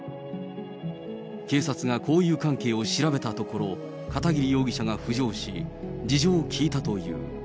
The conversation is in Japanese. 警察が交友関係を調べたところ、片桐容疑者が浮上し、事情を聴いたという。